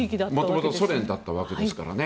元々ソ連だったわけですからね。